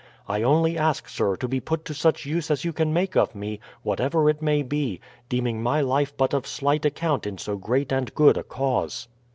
I only ask, sir, to be put to such use as you can make of me, whatever it may be, deeming my life but of slight account in so great and good a cause."